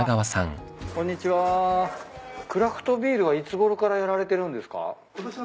クラフトビールはいつごろからやられてるんですか？